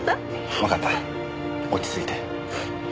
わかった落ち着いて。